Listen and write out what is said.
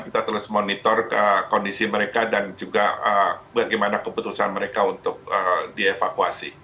kita terus monitor kondisi mereka dan juga bagaimana keputusan mereka untuk dievakuasi